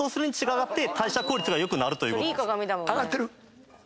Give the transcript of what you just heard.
上がってる？